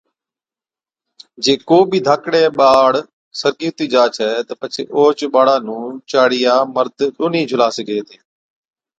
جي ڪو بِي ڌاڪڙَي ٻاڙ سرگِي ھُتي جا ڇَي تہ پڇي اوھچ ٻاڙا نُون چاڙِيا مرد ڏونهِين جھُلا سِگھي هِتين